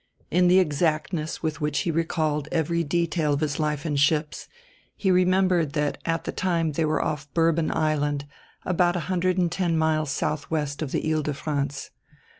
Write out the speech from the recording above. In the exactness with which he recalled every detail of his life in ships he remembered that at the time they were off Bourbon Island, about a hundred and ten miles southwest of the lie de France.